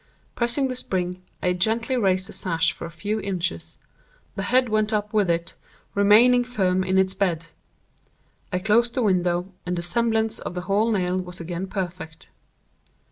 Pressing the spring, I gently raised the sash for a few inches; the head went up with it, remaining firm in its bed. I closed the window, and the semblance of the whole nail was again perfect.